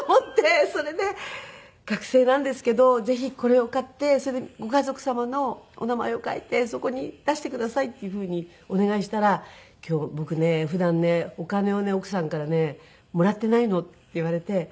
それで「学生なんですけどぜひこれを買ってそれでご家族様のお名前を書いてそこに出してください」っていうふうにお願いしたら「今日僕ね普段ねお金をね奥さんからねもらっていないの」って言われて。